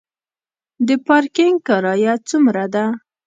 د پارکینګ کرایه څومره ده؟